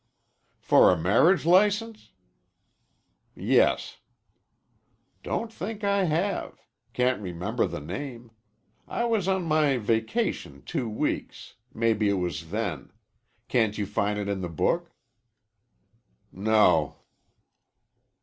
"For a marriage license?" "Yes." "Don't think I have. Can't remember the name. I was on my vacation two weeks. Maybe it was then. Can't you find it in the book?" "No."